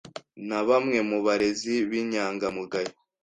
na bamwe mu barezi b’inyangamugayo